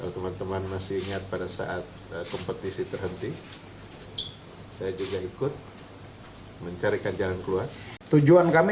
teman teman masih ingat pada saat kompetisi terhenti saja ikut mencarikan jalan keluar tujuan